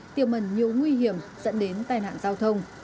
bộ mần nhiều nguy hiểm dẫn đến tai nạn giao thông